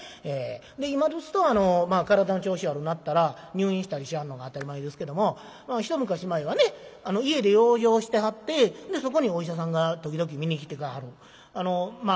で今ですと体の調子悪なったら入院したりしはんのが当たり前ですけども一昔前はね家で養生してはってでそこにお医者さんが時々診に来て下はるまあ